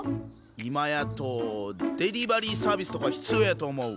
今やとデリバリーサービスとか必要やと思う！